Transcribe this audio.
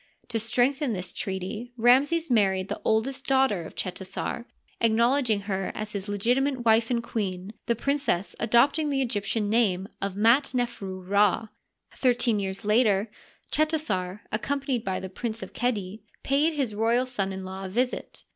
To strengthen this treaty Ramses married the oldest daughter of Chetasar, acknowledging her as his legitimate wife and queen, the princess adopting the Egyp tian name Mdi nefru Rd. Thirteen years later Cheta sar, accompanied by the Prince of Qedi, paid his royal son in law a visit.